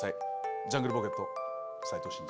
ジャングルポケット斉藤慎二。